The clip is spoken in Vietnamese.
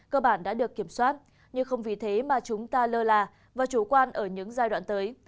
cơ bản đã được kiểm soát nhưng không vì thế mà chúng ta lơ là và chủ quan ở những giai đoạn tới